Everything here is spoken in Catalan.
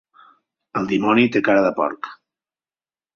El dimoni té cara de porc.